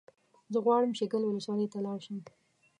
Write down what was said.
زه غواړم شیګل ولسوالۍ ته لاړ شم